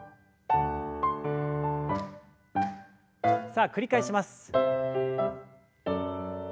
さあ繰り返します。